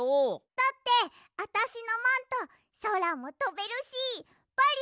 だってあたしのマントそらもとべるしバリアーもできるんだもん。